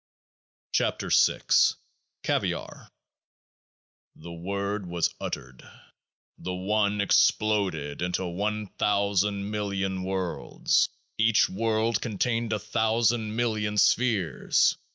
13 KEOAAH F CAVIAR The Word was uttered : the One exploded into one thousand million worlds. Each world contained a thousand million spheres.